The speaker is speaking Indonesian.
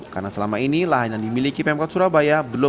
karena selama ini lahan yang dimiliki pemkot surabaya